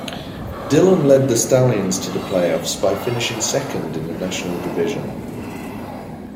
Dhillon led the Stallions to the playoffs by finishing second in the National Division.